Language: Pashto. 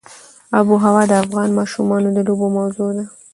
آب وهوا د افغان ماشومانو د لوبو موضوع ده.